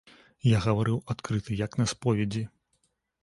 Я гаварыў адкрыта, як на споведзі.